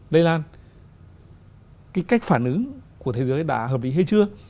đây là cái cách phản ứng của thế giới đã hợp lý hay chưa